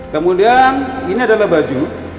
kemudian ini adalah baju